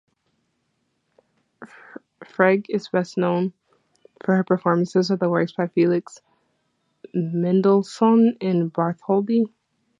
Frege is best known for her performances of the works by Felix Mendelssohn Bartholdy.